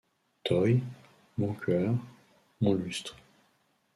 Toy, mon cueur, mon lustre !